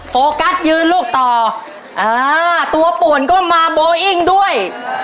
โฟกัสยืนลูกต่ออ่าตัวป่วนก็มาโบอิ้งด้วย